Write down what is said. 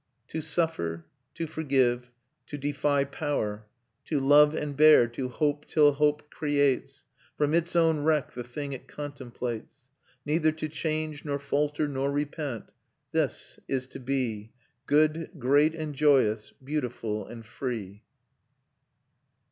"To suffer ... To forgive ... To defy Power ... To love and bear; to hope, till hope creates From its own wreck the thing it contemplates; Neither to change, nor falter, nor repent; This ... is to be Good, great and joyous, beautiful and free."